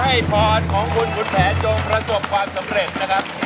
พรของคุณคุณแผนจงประสบความสำเร็จนะครับ